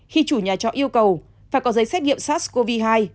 khi chủ nhà trọ yêu cầu phải có giấy xét nghiệm sars cov hai